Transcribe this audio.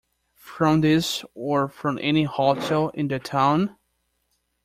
From this or from any hotel in the town?